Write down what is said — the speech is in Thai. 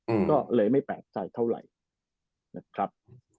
ผมก็เลยไม่แปลกใจเท่าไหร่นะครับ